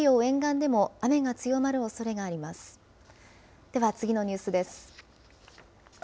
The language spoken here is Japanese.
では次のニュースです。